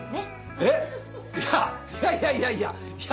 えっいやいやいやいや。